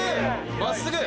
まっすぐ！